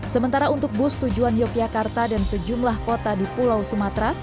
sementara untuk bus tujuan yogyakarta dan sejumlah kota di pulau sumatera